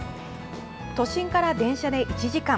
都心から電車で１時間。